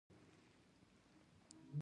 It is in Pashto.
د سندرو ځای ژړاګانو او سلګیو ونیو.